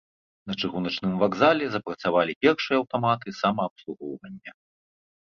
На чыгуначным вакзале запрацавалі першыя аўтаматы самаабслугоўвання.